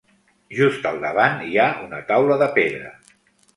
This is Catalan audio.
Just al davant hi ha una taula de pedra.